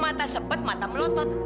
mata sepet mata melotot